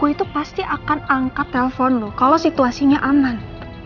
gue itu pasti akan angkat telepon lo kalo situasinya aman